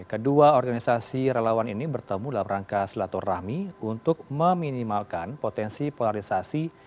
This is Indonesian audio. kedua organisasi relawan ini bertemu dalam rangka silaturahmi untuk meminimalkan potensi polarisasi